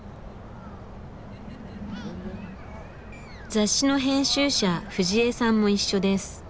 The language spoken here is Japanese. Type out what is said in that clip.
雑誌の編集者藤江さんも一緒です。